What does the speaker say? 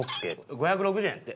５６０円やって。